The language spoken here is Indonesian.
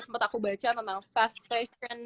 sempet aku baca tentang fast fashion